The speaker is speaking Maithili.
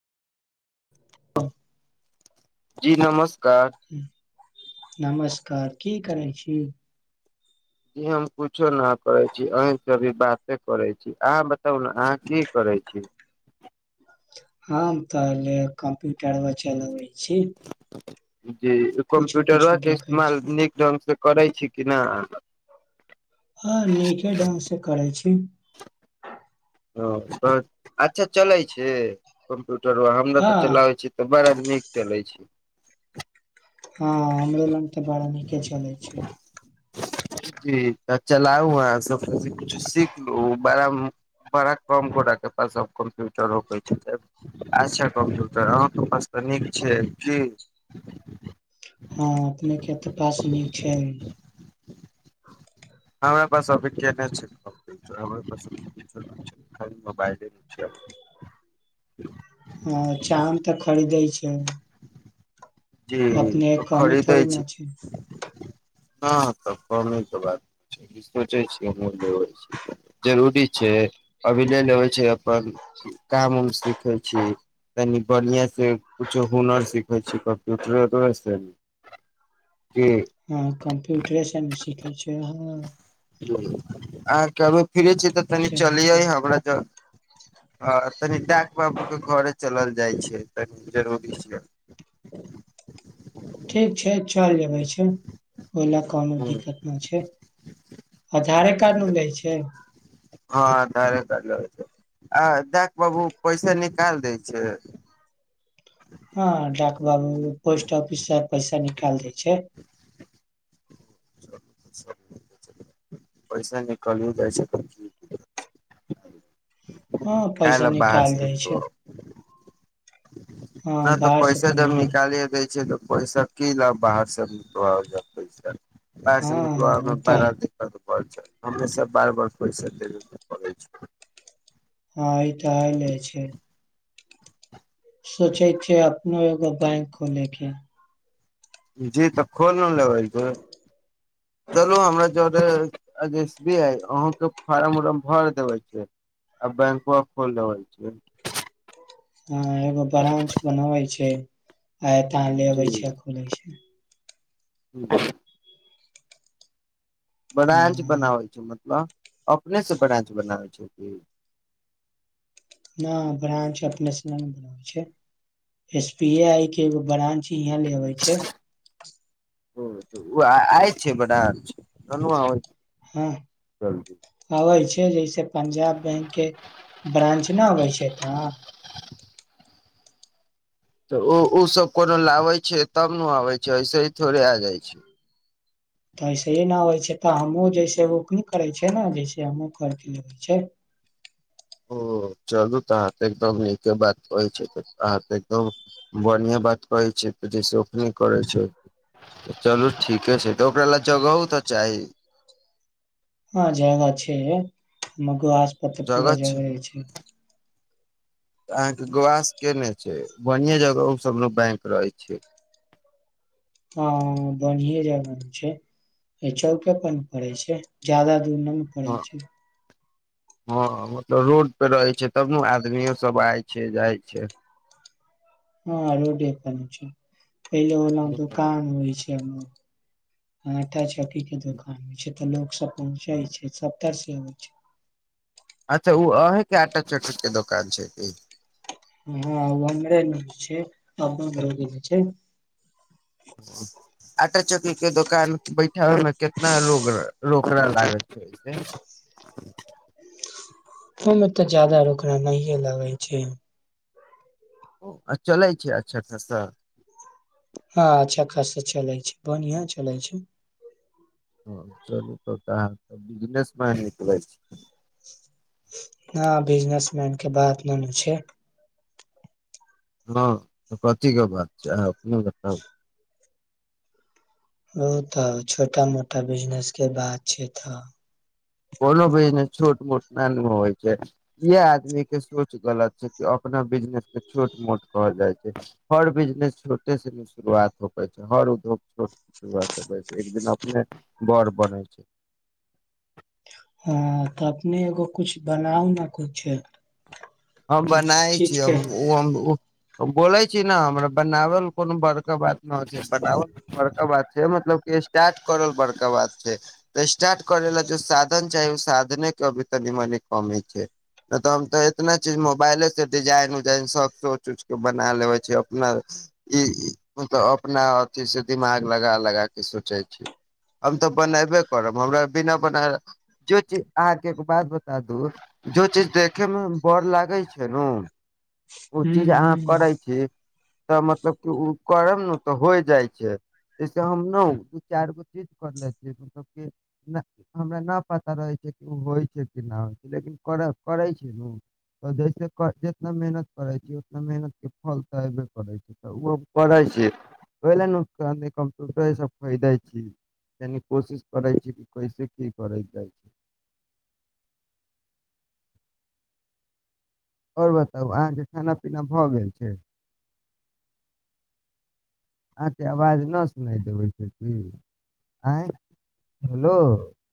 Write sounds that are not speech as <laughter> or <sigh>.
जी नमस्कार। नमस्कार की करै छी। जी हम कुच्छो ना करै छी, अँहिसे अभी बाते करै छी। अहाँ बताउ ने अहाँ की करै छी? हम तऽ जे कंप्यूटर बे चलबै छी। जी, कुछो कम्प्यूटरबा कुछो के देखै छी इस्तमाल नीक ढंग से करै छी कि न अहाँ। हँ नीके ढंग से करै छी। हँ <unintelligible> अच्छा चलै छै कम् प्यूटरबा हमरा हँ तऽ चलाबै छी तऽ बड़द नीक चलै छै। हँ हमरो लङ तऽ बड़ा नीके चलै छै। जी तऽ चलाउ अहाँ। सफर से कुछो सीख। ओ बड़ा बड़ा कम गोटाके पास सभ कम्प्यूटर रखै छै त अच्छा कम्प्यूटर अहाँके पास त नीक छै कि? हँ अपनेके त पास नीक छै। हमरा पास अभी नै छै कम्प्यूटर अभी हमरा पास खाली मोबाइले ने छै। हँ चाँद त खरीदै छै। जी। अपने के कमी खरीदै थोड़ी न छी। छै हँ तक्कर नै छै बात। सोचै छीयै हमहूँ लेबै छी, जरूरी छै। अभी ले लेबै छीये अप्पन, काम उम सिखै छी। तनि बढ़िआँ से कुछो हुनर सिखै छी। कम्प्यूट्रे एक बेर <unintelligible> जी हँ कम्प्यूटरे हम सीखै छियै हँ। <unintelligible> आ <unintelligible> ठीके छै तऽ, तनी केने चलिये छै हमरा ज आ तनि डाक बाबू के घरे चलल जाय छै। तनी जरूरी छै ठीक छै चल <unintelligible> छै, ओयला कोनो हँ दिक्कत ने छै, आधारे कार्ड नु लै छै। आधारे कार्ड लेबै आ डाक बाबू पैसा नि डाल दै छै। हाँ डाक बाबू पोस्ट ऑफिस से पैसा निकाल दै छै। पैसा निकलयो जाय छै। हाँ काहे पैसा ला बाहर निकाल से दै छै। हँ नै त बाहर से पैसा तऽ जब नहिये निकालिये दै छै त पैसा की लब बाहर से भी तो आ जा पैसा। बाहर से भी तो आबै हँ ओ में तऽ बड़ा दिक्कत हमे सब बार बार पैसा देबे के पड़े छै। हाँ ई त आइले छै। सोचै छै आब हमहुं एगो बैंक खोलेके। जी तब। कौन लोन लेवे छै। चलू हमरा जोर। आज एस बी आई अहां के फार्म उरम भर देवे छै आ बैंकवा खोल रहल छै। हाँ एगो बराँच बनाबे छै। हुं आय ता लेबे जी छै, खुले छै। <unintelligible> बरांच हँ बनाबै छै मतलब अपने से ब्रांच बनाबै छै। हुं। न ब्रान्च अपने से ने बनाबै छै, एस बी आई के एगो ब्रांच इहाँ लेबे छै। ओ तो उ आ आय छै ब्रांच, चलु आबे हँ आबाज छै। जैसे पंजाब बैंक के ब्रानं्च नहि होइ छै तऽ। तऽ ओ ओसभ कोनो लाबै छै तब ने आबै छै ऐसे ही थोड़े आ जाइ छै। तऽ इसे ही नहि होइ छै तऽ हमहूँ जइसे ओकी करै छै ने जैसे हमहूँ कर दियै होै छै। ओ चलु त अहाँ त एकदम नीके बात कहै छै। त अहाँ त एकदम बढ़िएँ बात कहै छ। त जे अखनी करै छै। चलू ठीके छै। त ओकरा लए जगहु त चाही। हँ जगह छै। मगर आस। तब त पूरा जगहे छै। अहाँके गवास केने छै बढिए जगह ओसभ बैंक रहै छै। हँ बढ़िए जगह छै <unintelligible> चौके पर <unintelligible> पड़े छै जादा। <inaudible> नै पड़ै हँ छै। हँ मतलब रोड पे रहै छै तब न आदमियो सभ आइ छै जाइ छै। हँ रोडे पर छै। पहिले ओनऽ दुकान होइ छै। <inaudible> आटा चक्की के। <unintelligible> ई के दुकान छै। <unintelligible> तऽ लोक सब पहुँचै छै <unintelligible> सबतर से अबै छै। अच्छा ओ अहेके आटा चक्की के दोकान छै कि। हँ उ हमरे छै <unintelligible> छै। <unintelligible> ह। <unintelligible> आटा चक्की के दोकान बैठाबै मे केतना लोग <unintelligible> रह। <inaudible> रोकड़ा लागल छै। <unintelligible> ओमे तऽ जादा रोकड़ा नहिए लागै छै। <unintelligible> आ चलै छै अच्छा खासा। हँ अच्छा खासा चलै छै बढ़िआ चलै छै। ह <unintelligible> चलू तऽ अहाँ बिजनेस मैन निकलै छि। <unintelligible> न बिजनेसमेन के बात न <unintelligible> न छै। हँ तऽ कथीके बात छै आहाँ अपने बताउ। ओ तऽ छोटा मोटा बिजनेस के बात छै तऽ। कोनो बिजनेस छोट मोट नहि <unintelligible> होइ छै इहे आदमीके सोच गलत छै कि अपना बिजनेसके छोट मोट कहल जाइ छै हर बिजनेस छोटेसँ नै शुरुआत होै पावै छै हर उद्योग छोट शुरुआत होैय छै एक दिन अपने बर बनै छै। हँ तऽ अपने एगो कुछ बनाउ न कुछ। हम कुछ बनाय छी चीज के हम उ <unintelligible> हम ऊ। बोलै छी नऽ हमरा बनावल कोनो बड़का बात न होय <unintelligible> छै बनावल बड़का बात छै मतलब कि स्टार्ट करल बड़का बात छै त स्टार्ट करे लै जे साधन चाही ओ साधने के अभी तनी मनी कमी छै ने तऽ हम त। इतना चीज मोबाइले से डिजाइन उजाइन सब सोच उच के बना लेबे छी अपना ई मतलब अपना अथी से दिमाग लगा लगा के सोचै छी हम तऽ बनेबे करब हमरा बिना बना <unintelligible> जो चीज अहाँके बात बता दू जो चीज देखे मे। <inaudible> बड़ लागै छै नु। <inaudible> ओ हूँ चीज अहाँ हूँ करै छी। तऽ मतलब कि उ करब न तऽ होय जाइ छै जैसे हम नु दू <unintelligible> चार गो चीज कर ले छियै मतलब कि हमरा न पता रहै छै कि ओ होइ छै कि न‌ होइ छै लेकिन कर परै छै नु। <unintelligible> तऽ जइसे क जितना मेहनत करै छीियै उतना मेहनतके फल तऽ अयबे क <unintelligible> रै छै तऽ ओहो करै छै ओहि लेल नका कम्प्यूटरेसँ फरीदै छी यानि कोशिश करै छि <unintelligible> कि कइसे की करय जाइ छै। आओर बताउ अहाँके खाना पीना भऽ गेल छै। अहाँके आवाज नऽ सुनाय देबै छै की आँय हलो।